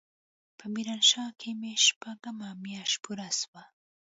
په ميرانشاه کښې مې شپږمه مياشت پوره سوه.